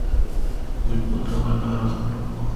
موږ به دغه لاره خپله کړو.